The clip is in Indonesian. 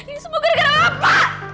ini semua gara gara apa